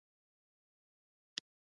د پښتو ژبې په غزلونو کې دې ته جواز ورکړل شوی.